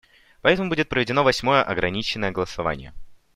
Поэтому будет проведено восьмое ограниченное голосование.